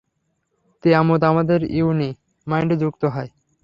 তিয়ামুত আমাদের ইউনি-মাইন্ডে যুক্ত হয়।